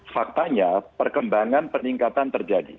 faktanya perkembangan peningkatan terjadi